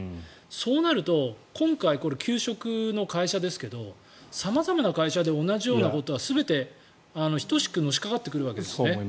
そうなると今回、給食の会社ですけど様々な会社で同じようなことは全て等しくのしかかってくるわけですね。